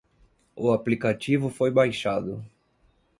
O aplicativo foi baixado.